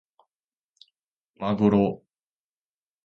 まぐろ